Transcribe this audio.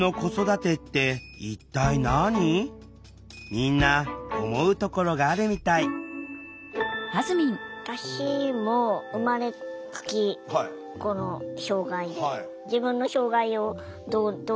みんな思うところがあるみたい私も生まれつきこの障害で。